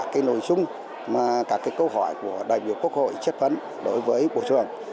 cả nội dung cả câu hỏi của đại biểu quốc hội chất vấn đối với bộ trưởng